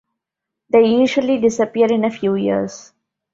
They usually disappear in a few years.